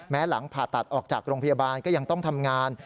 หลังผ่าตัดออกจากโรงพยาบาลก็ยังต้องทำงาน